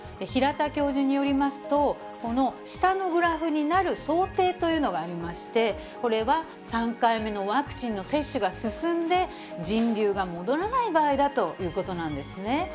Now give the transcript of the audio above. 平田教授によりますと、この下のグラフになる想定というのがありまして、これは３回目のワクチンの接種が進んで、人流が戻らない場合だということなんですね。